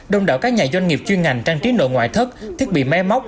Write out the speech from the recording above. đồng đạo các nhà doanh nghiệp chuyên ngành trang trí nội ngoại thất thiết bị mé móc